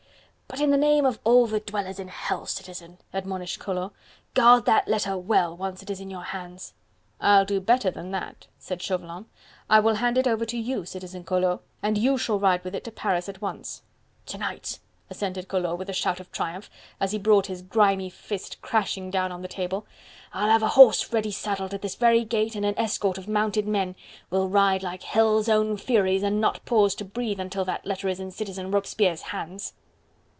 "But in the name of all the dwellers in hell, Citizen," admonished Collot, "guard that letter well, once it is in your hands." "I'll do better than that," said Chauvelin, "I will hand it over to you, Citizen Collot, and you shall ride with it to Paris at once." "To night!" assented Collot with a shout of triumph, as he brought his grimy fist crashing down on the table, "I'll have a horse ready saddled at this very gate, and an escort of mounted men... we'll ride like hell's own furies and not pause to breathe until that letter is in Citizen Robespierre's hands."